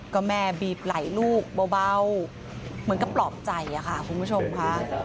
ก็แม่บีบไหล่ลูกเบาเหมือนกับปลอบใจค่ะคุณผู้ชมค่ะ